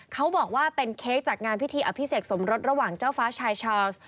เขาบอกว่าเป็นเค้กจากงานพิธีอภิเษกสมรสระหว่างเจ้าฟ้าชายชาวส์